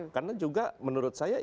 karena juga menurut saya ini adalah